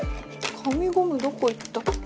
髪ゴムどこいったっけ？